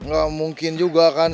gak mungkin juga kan